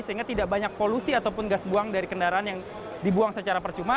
sehingga tidak banyak polusi ataupun gas buang dari kendaraan yang dibuang secara percuma